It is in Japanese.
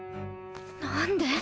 何で！？